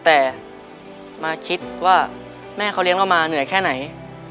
แต่มาคิดว่าแม่เขาเลี้ยงเรามาเหนื่อยแค่ไหน